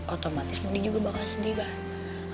otomatis monly juga bakal sedih abah